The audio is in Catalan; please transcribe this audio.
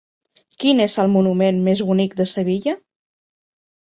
Quin és el monument més bonic de Sevilla?